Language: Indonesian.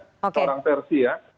orang versi ya